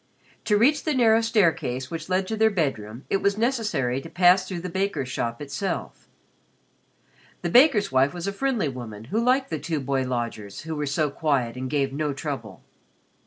To reach the narrow staircase which led to their bedroom it was necessary to pass through the baker's shop itself. The baker's wife was a friendly woman who liked the two boy lodgers who were so quiet and gave no trouble.